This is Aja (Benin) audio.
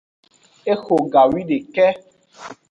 Exo gawideka.